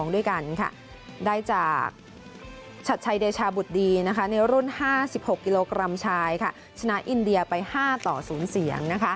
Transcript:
ด้วยกันได้จากชัดชัยเดชาบุตรดีในรุ่น๕๖กิโลกรัมชายชนะอินเดียไป๕ต่อ๐เสียง